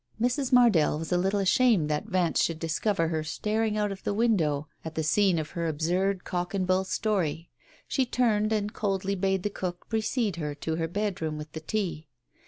Mrs. Mardell was a little ashamed that Vance should discover her staring out of the window at the scene of her absurd cock and bull story. She turned and coldly bade the cook precede her to her bedroom with the tea.